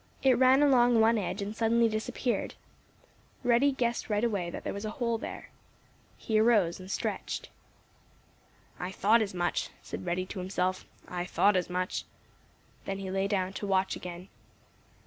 It ran along one edge and suddenly disappeared. Reddy guessed right away that there was a hole there. He arose and stretched. "I thought as much," said Reddy to himself. "I thought as much." Then he lay down to watch again.